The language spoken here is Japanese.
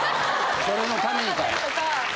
それのためにか。